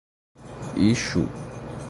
Ichu